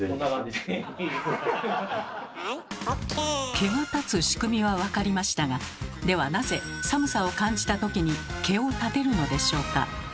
毛が立つ仕組みはわかりましたがではなぜ寒さを感じた時に毛を立てるのでしょうか？